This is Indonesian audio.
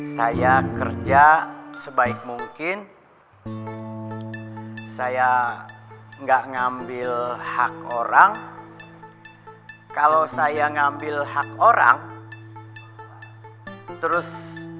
saya kerja sebaik mungkin saya enggak ngambil hak orang kalau saya ngambil hak orang terus